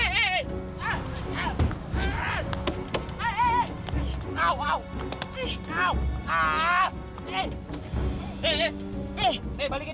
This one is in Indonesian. duit gua balikin